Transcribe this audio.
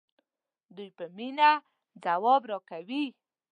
دوی په مینه ځواب راکوي.